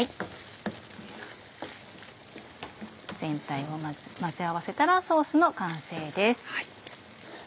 全体を混ぜ合わせたらソースの完成です。